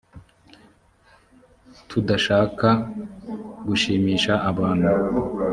tudashaka gushimisha abantu